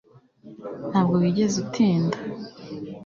Ntabwo wigeze utinda